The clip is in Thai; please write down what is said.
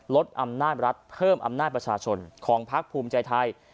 ลดอำนาจรัฐเพิ่มอำนาจประชาชนของพักภูมิใจไทย